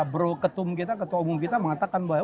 bro ketum kita ketua umum kita mengatakan bahwa